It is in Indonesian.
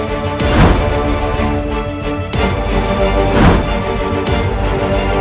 ibu dahat tolong aku